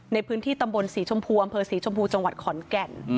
ในพื้นที่ตำบลสีชมพูอำเภอศรีชมพูจังหวัดขอนแก่น